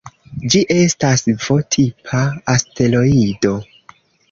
Ĝi estas V-tipa asteroido.